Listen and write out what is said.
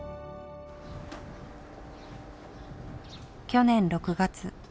去年６月。